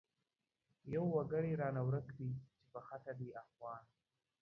يو وګړی رانه ورک دی چی په خټه دی افغان